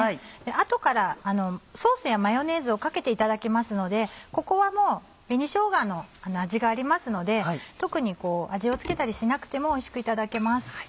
後からソースやマヨネーズをかけていただきますのでここはもう紅しょうがの味がありますので特に味を付けたりしなくてもおいしくいただけます。